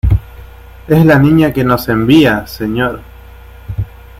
es la Niña que nos envía, señor...